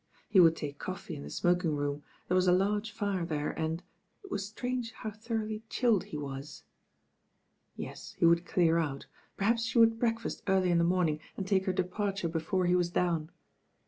He would take coffee in the smoking room, t'^ere was a large fire there and — it was strange how thoroughly chilled he was. Yes, he would clear out, perhaps she would breakfast early in the morning and take her departure before he was down.